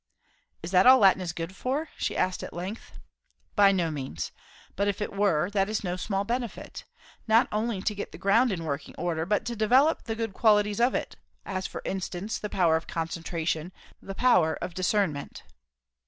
"Is that all Latin is good for?" she asked at length. "By no means. But if it were that is no small benefit. Not only to get the ground in working order, but to develope the good qualities of it; as for instance, the power of concentration, the power of attention, the power of discernment."